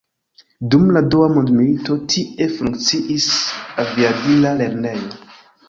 Dum la dua mondmilito, tie funkciis aviadila lernejo.